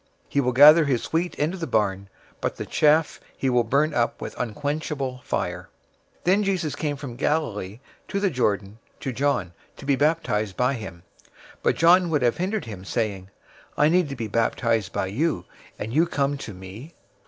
He will gather his wheat into the barn, but the chaff he will burn up with unquenchable fire." 003:013 Then Jesus came from Galilee to the Jordan to John, to be baptized by him. 003:014 But John would have hindered him, saying, "I need to be baptized by you, and you come to me?"